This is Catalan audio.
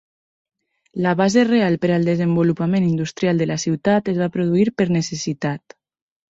La base real per al desenvolupament industrial de la ciutat es va produir per necessitat.